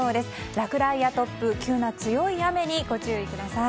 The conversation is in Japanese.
落雷や突風、急な強い雨にご注意ください。